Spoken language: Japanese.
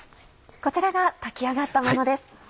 こちらが炊き上がったものです。